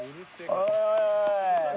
おい